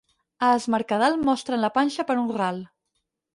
A es Mercadal, mostren la panxa per un ral.